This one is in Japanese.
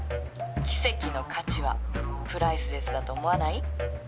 奇跡の価値はプライスレスだと思わない？